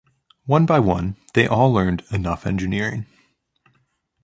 One by one, they all learned enough engineering.